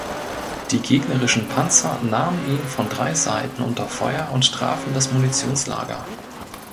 Die gegnerischen Panzer nahmen ihn von drei Seiten unter Feuer und trafen das Munitionslager.